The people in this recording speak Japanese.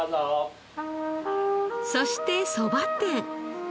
そしてそば店。